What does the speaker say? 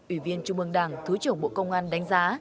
ủy viên trung ương đảng thứ trưởng bộ công an đánh giá